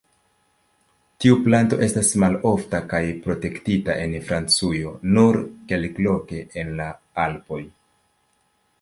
Tiu planto estas malofta kaj protektita en Francujo, nur kelkloke en la Alpoj.